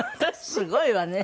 すごいわね。